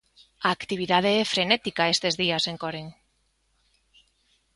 A actividade é frenética estes días en Coren.